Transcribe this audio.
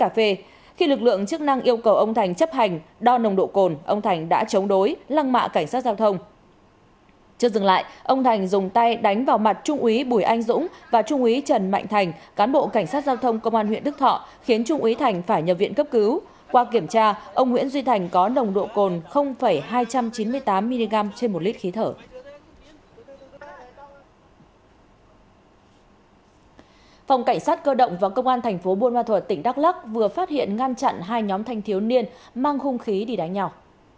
phòng cảnh sát cơ động và công an tp buôn ma thuật tỉnh đắk lắc vừa phát hiện ngăn chặn hai nhóm thanh thiếu niên mang hung khí đi đánh nhau